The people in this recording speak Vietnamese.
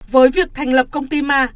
với việc thành lập công ty